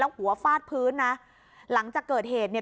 หัวฟาดพื้นนะหลังจากเกิดเหตุเนี่ย